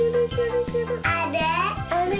あれ？